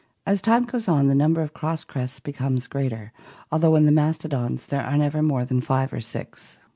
As time goes on the number of cross crests becomes greater, although in the mastodons there are never more than five or six.